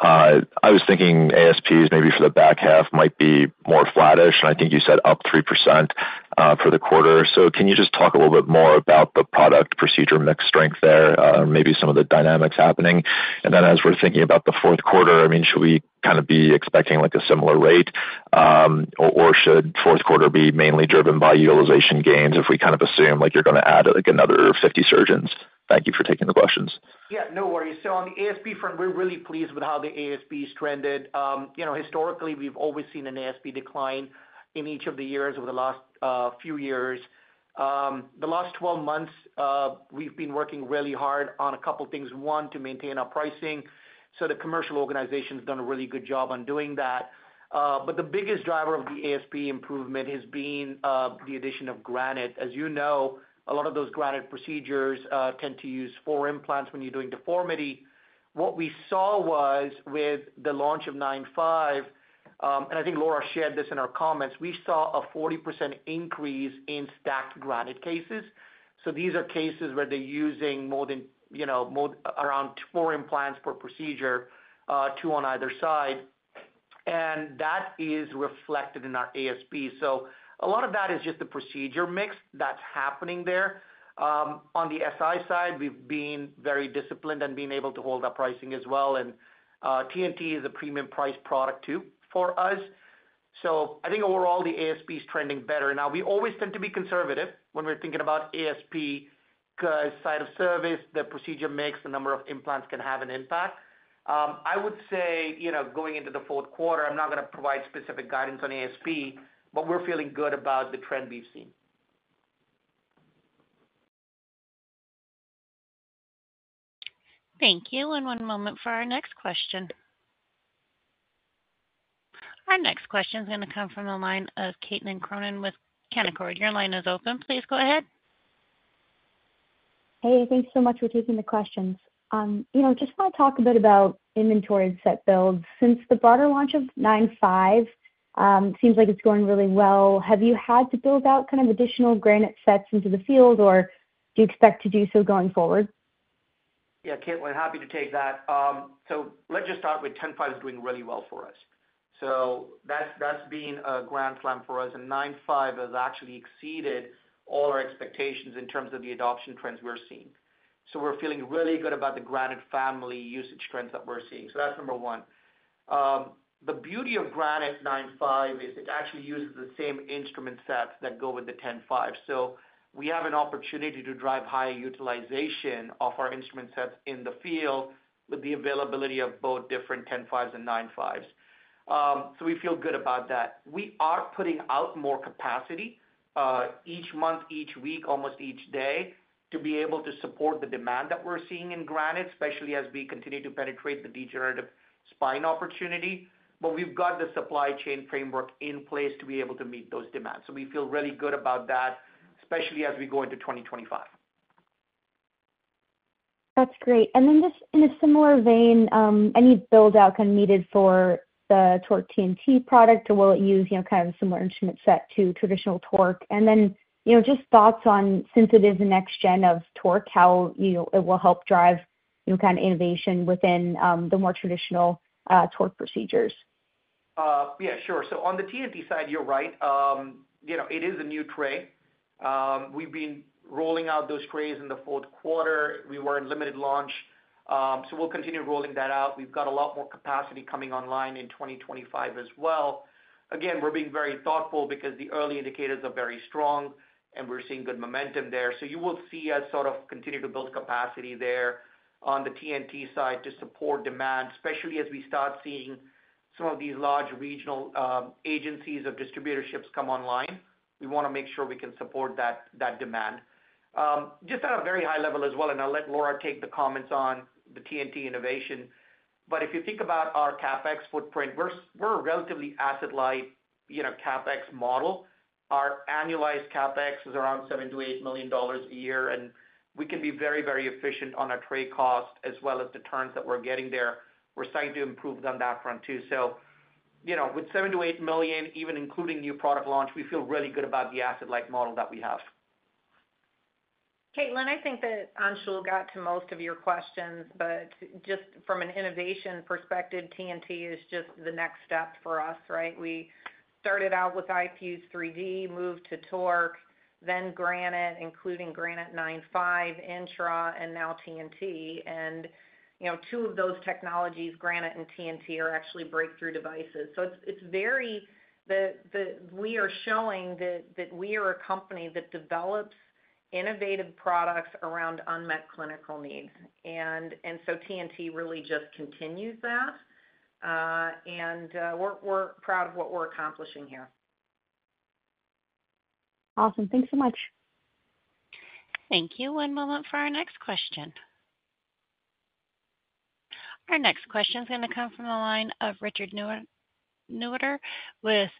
I was thinking ASPs maybe for the back half might be more flattish. And I think you said up 3% for the quarter. So can you just talk a little bit more about the product procedure mix strength there, maybe some of the dynamics happening? And then as we're thinking about the fourth quarter, I mean, should we kind of be expecting a similar rate, or should fourth quarter be mainly driven by utilization gains if we kind of assume you're going to add another 50 surgeons? Thank you for taking the questions. Yeah. No worries. So on the ASP front, we're really pleased with how the ASPs trended. Historically, we've always seen an ASP decline in each of the years over the last few years. The last 12 months, we've been working really hard on a couple of things. One, to maintain our pricing. So the commercial organization has done a really good job on doing that. But the biggest driver of the ASP improvement has been the addition of Granite. As you know, a lot of those Granite procedures tend to use four implants when you're doing deformity. What we saw was with the launch of 9.5, and I think Laura shared this in our comments, we saw a 40% increase in stacked Granite cases. So these are cases where they're using more than around four implants per procedure, two on either side. And that is reflected in our ASP. So a lot of that is just the procedure mix that's happening there. On the SI side, we've been very disciplined and been able to hold our pricing as well. And TNT is a premium-priced product too for us. So I think overall, the ASP is trending better. Now, we always tend to be conservative when we're thinking about ASP because site of service, the procedure mix, the number of implants can have an impact. I would say going into the fourth quarter, I'm not going to provide specific guidance on ASP, but we're feeling good about the trend we've seen. Thank you, and one moment for our next question. Our next question is going to come from the line of Caitlin Cronin with Canaccord Genuity. Your line is open. Please go ahead. Hey, thanks so much for taking the questions. Just want to talk a bit about inventory and set builds. Since the broader launch of 9.5, it seems like it's going really well. Have you had to build out kind of additional Granite sets into the field, or do you expect to do so going forward? Yeah, Caitlin, happy to take that. So let's just start with 10.5 is doing really well for us. So that's been a grand slam for us. And 9.5 has actually exceeded all our expectations in terms of the adoption trends we're seeing. So we're feeling really good about the Granite family usage trends that we're seeing. So that's number one. The beauty of Granite 9.5 is it actually uses the same instrument sets that go with the 10.5. So we have an opportunity to drive higher utilization of our instrument sets in the field with the availability of both different 10.5s and 9.5s. So we feel good about that. We are putting out more capacity each month, each week, almost each day to be able to support the demand that we're seeing in Granite, especially as we continue to penetrate the degenerative spine opportunity. But we've got the supply chain framework in place to be able to meet those demands. So we feel really good about that, especially as we go into 2025. That's great. And then just in a similar vein, any buildout kind of needed for the TORQ TNT product, or will it use kind of a similar instrument set to traditional TORQ? And then just thoughts on, since it is a next-gen of TORQ, how it will help drive kind of innovation within the more traditional TORQ procedures? Yeah, sure. So on the TNT side, you're right. It is a new tray. We've been rolling out those trays in the fourth quarter. We were in limited launch. So we'll continue rolling that out. We've got a lot more capacity coming online in 2025 as well. Again, we're being very thoughtful because the early indicators are very strong, and we're seeing good momentum there. So you will see us sort of continue to build capacity there on the TNT side to support demand, especially as we start seeing some of these large regional agencies or distributorships come online. We want to make sure we can support that demand. Just at a very high level as well, and I'll let Laura take the comments on the TNT innovation. But if you think about our CapEx footprint, we're a relatively asset-light CapEx model. Our annualized CapEx is around $7 million-$8 million a year, and we can be very, very efficient on our tray cost as well as the turns that we're getting there. We're starting to improve on that front too, so with $7 million-$8 million, even including new product launch, we feel really good about the asset-light model that we have. Caitlin, I think that Anshul got to most of your questions, but just from an innovation perspective, TNT is just the next step for us, right? We started out with iFuse-3D, moved to TORQ, then Granite, including Granite 9.5, INTRA, and now TNT, and two of those technologies, Granite and TNT, are actually breakthrough devices, so it's very we are showing that we are a company that develops innovative products around unmet clinical needs, and so TNT really just continues that, and we're proud of what we're accomplishing here. Awesome. Thanks so much. Thank you. One moment for our next question. Our next question is going to come from the line of Richard Newitter with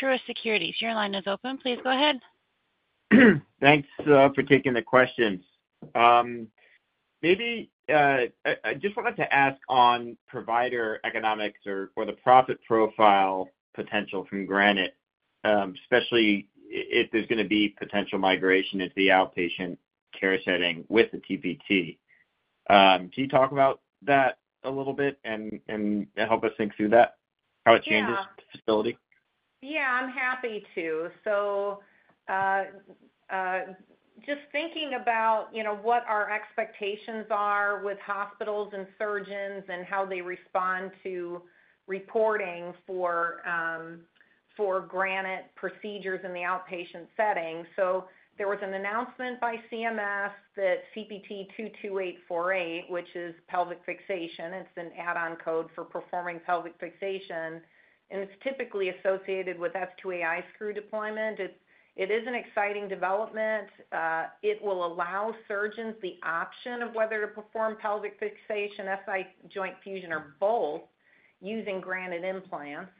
Truist Securities. Your line is open. Please go ahead. Thanks for taking the questions. Maybe I just wanted to ask on provider economics or the profit profile potential from Granite, especially if there's going to be potential migration into the outpatient care setting with the TPT. Can you talk about that a little bit and help us think through that, how it changes the facility? Yeah, I'm happy to, so just thinking about what our expectations are with hospitals and surgeons and how they respond to reporting for Granite procedures in the outpatient setting, so there was an announcement by CMS that CPT 22848, which is pelvic fixation, it's an add-on code for performing pelvic fixation, and it's typically associated with S2AI screw deployment. It is an exciting development. It will allow surgeons the option of whether to perform pelvic fixation, SI joint fusion, or both using Granite implants,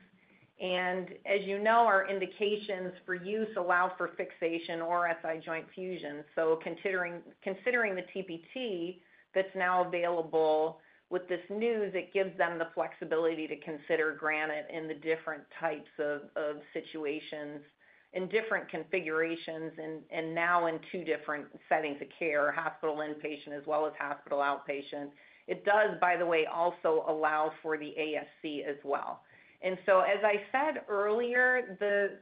and as you know, our indications for use allow for fixation or SI joint fusion, so considering the TPT that's now available with this news, it gives them the flexibility to consider Granite in the different types of situations in different configurations and now in two different settings of care, hospital inpatient as well as hospital outpatient. It does, by the way, also allow for the ASC as well. And so, as I said earlier, the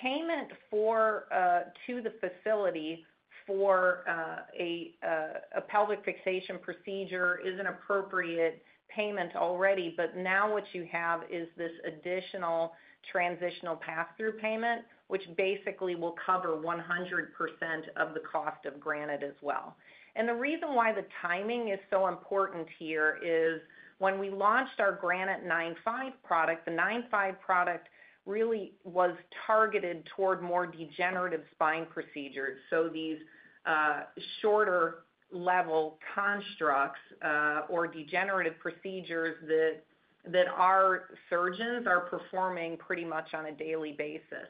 payment to the facility for a pelvic fixation procedure is an appropriate payment already. But now what you have is this additional transitional pass-through payment, which basically will cover 100% of the cost of Granite as well. And the reason why the timing is so important here is when we launched our Granite 9.5 product, the 9.5 product really was targeted toward more degenerative spine procedures. So these shorter-level constructs or degenerative procedures that our surgeons are performing pretty much on a daily basis.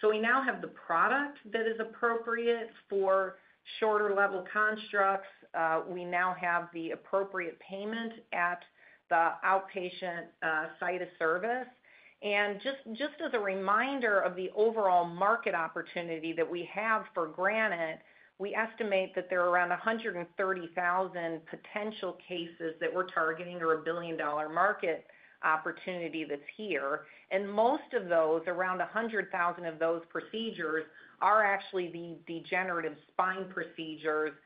So we now have the product that is appropriate for shorter-level constructs. We now have the appropriate payment at the outpatient site of service. Just as a reminder of the overall market opportunity that we have for Granite, we estimate that there are around 130,000 potential cases that we're targeting or a $1 billion market opportunity that's here. Most of those, around 100,000 of those procedures, are actually the degenerative spine procedures that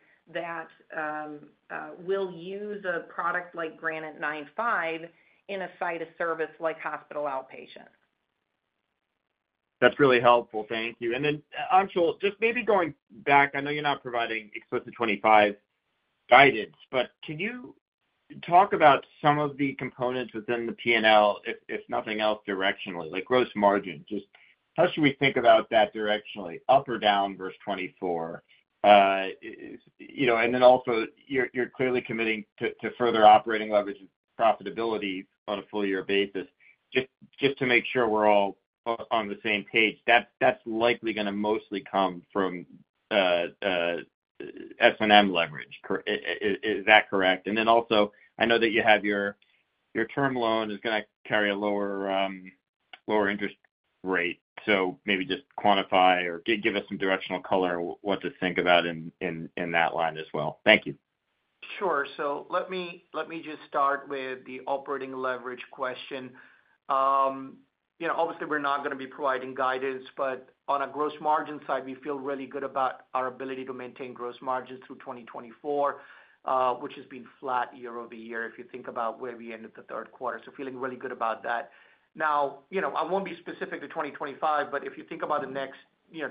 will use a product like Granite 9.5 in a site of service like hospital outpatient. That's really helpful. Thank you. And then, Anshul, just maybe going back, I know you're not providing explicit 2025 guidance, but can you talk about some of the components within the P&L, if nothing else, directionally, like gross margin? Just how should we think about that directionally, up or down versus 2024? And then also, you're clearly committing to further operating leverage and profitability on a full-year basis. Just to make sure we're all on the same page, that's likely going to mostly come from S&M leverage. Is that correct? And then also, I know that you have your term loan is going to carry a lower interest rate. So maybe just quantify or give us some directional color on what to think about in that line as well. Thank you. Sure. So let me just start with the operating leverage question. Obviously, we're not going to be providing guidance, but on a gross margin side, we feel really good about our ability to maintain gross margins through 2024, which has been flat year-over-year if you think about where we ended the third quarter. So feeling really good about that. Now, I won't be specific to 2025, but if you think about the next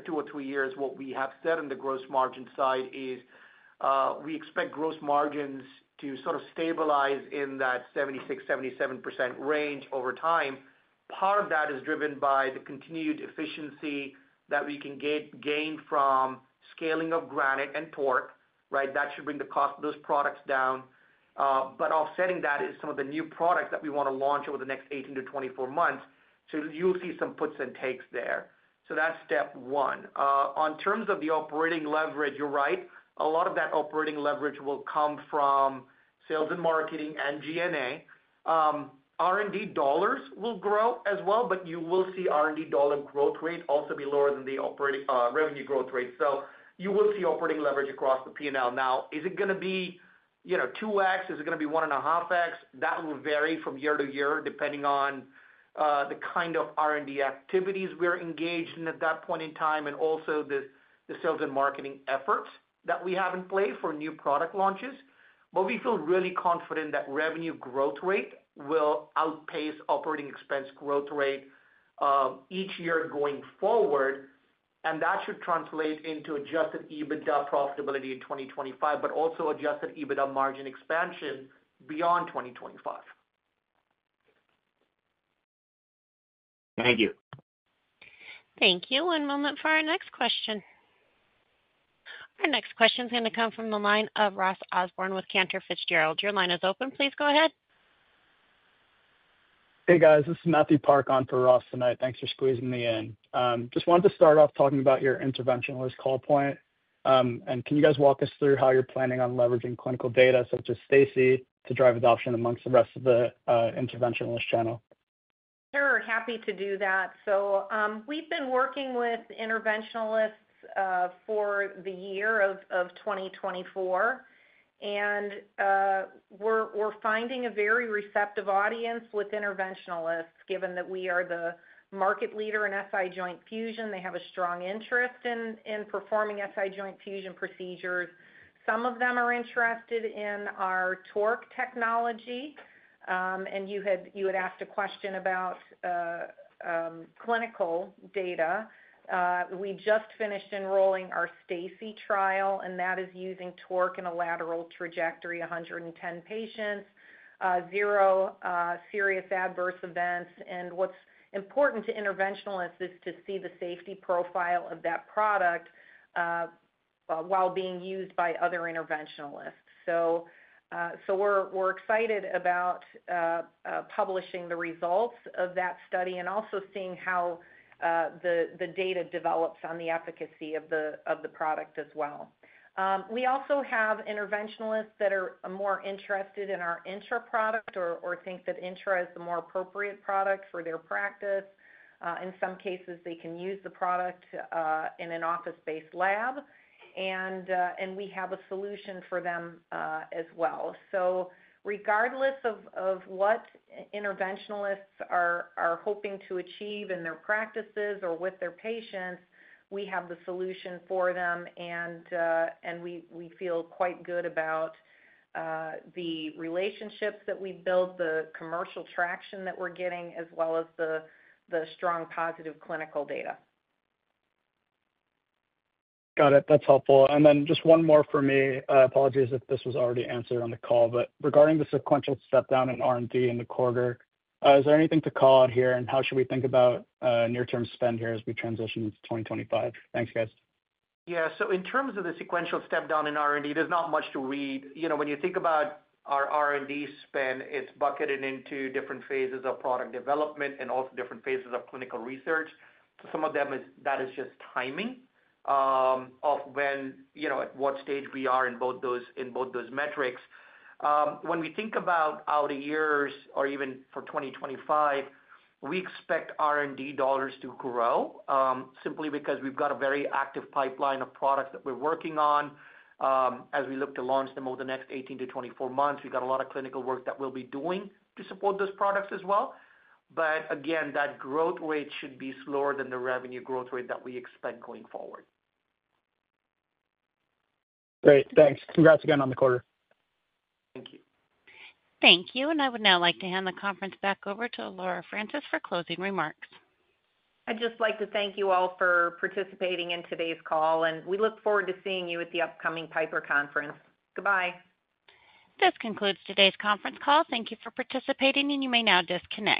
two or three years, what we have said on the gross margin side is we expect gross margins to sort of stabilize in that 76%-77% range over time. Part of that is driven by the continued efficiency that we can gain from scaling of Granite and TORQ, right? That should bring the cost of those products down. But offsetting that is some of the new products that we want to launch over the next 18 to 24 months. So you'll see some puts and takes there. So that's step one. On terms of the operating leverage, you're right. A lot of that operating leverage will come from sales and marketing and G&A. R&D dollars will grow as well, but you will see R&D dollar growth rate also be lower than the revenue growth rate. So you will see operating leverage across the P&L. Now, is it going to be 2X? Is it going to be 1.5X? That will vary from year to year depending on the kind of R&D activities we're engaged in at that point in time and also the sales and marketing efforts that we have in play for new product launches. But we feel really confident that revenue growth rate will outpace operating expense growth rate each year going forward. And that should translate into Adjusted EBITDA profitability in 2025, but also Adjusted EBITDA margin expansion beyond 2025. Thank you. Thank you. One moment for our next question. Our next question is going to come from the line of Ross Osborne with Cantor Fitzgerald. Your line is open. Please go ahead. Hey, guys. This is Matthew Parkin for Ross tonight. Thanks for squeezing me in. Just wanted to start off talking about your interventionalist call point, and can you guys walk us through how you're planning on leveraging clinical data such as STACI to drive adoption among the rest of the interventionalist channel? Sure. Happy to do that. So we've been working with interventionalists for the year of 2024. And we're finding a very receptive audience with interventionalists, given that we are the market leader in SI joint fusion. They have a strong interest in performing SI joint fusion procedures. Some of them are interested in our TORQ technology. And you had asked a question about clinical data. We just finished enrolling our STACI trial, and that is using TORQ in a lateral trajectory, 110 patients, zero serious adverse events. And what's important to interventionalists is to see the safety profile of that product while being used by other interventionalists. So we're excited about publishing the results of that study and also seeing how the data develops on the efficacy of the product as well. We also have interventionalists that are more interested in our INTRA product or think that INTRA is the more appropriate product for their practice. In some cases, they can use the product in an office-based lab, and we have a solution for them as well, so regardless of what interventionalists are hoping to achieve in their practices or with their patients, we have the solution for them, and we feel quite good about the relationships that we build, the commercial traction that we're getting, as well as the strong positive clinical data. Got it. That's helpful. And then just one more for me. Apologies if this was already answered on the call. But regarding the sequential step-down in R&D in the quarter, is there anything to call out here? And how should we think about near-term spend here as we transition into 2025? Thanks, guys. Yeah. So in terms of the sequential step-down in R&D, there's not much to read. When you think about our R&D spend, it's bucketed into different phases of product development and also different phases of clinical research. So some of that is just timing of what stage we are in both those metrics. When we think about out years or even for 2025, we expect R&D dollars to grow simply because we've got a very active pipeline of products that we're working on as we look to launch them over the next 18-24 months. We've got a lot of clinical work that we'll be doing to support those products as well. But again, that growth rate should be slower than the revenue growth rate that we expect going forward. Great. Thanks. Congrats again on the quarter. Thank you. Thank you, and I would now like to hand the conference back over to Laura Francis for closing remarks. I'd just like to thank you all for participating in today's call, and we look forward to seeing you at the upcoming Piper Conference. Goodbye. This concludes today's conference call. Thank you for participating, and you may now disconnect.